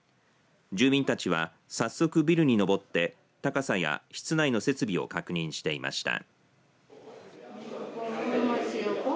住民たちは、早速ビルにのぼって高さや、室内の設備を確認していました。